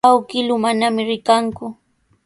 Awkilluu manami rikanku.